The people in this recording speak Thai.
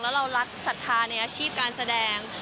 แล้วเรารักศรัทธาในอาชีพการแสดง